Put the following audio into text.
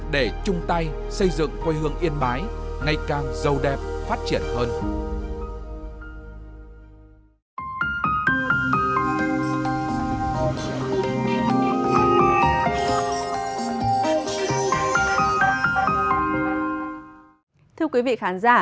để chung tay xây dựng quê hương yên bái ngày càng giàu đẹp phát triển hơn